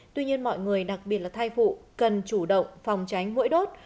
tuy nhiên mọi người đặc biệt là thai phụ cần chủ động phòng tránh mũi đốt